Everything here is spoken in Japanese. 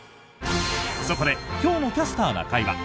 そこで今日の「キャスターな会」は